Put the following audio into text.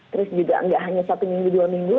terus juga nggak hanya satu minggu dua minggu